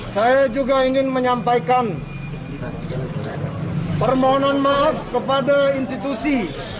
saya juga ingin menyampaikan permohonan maaf kepada institusi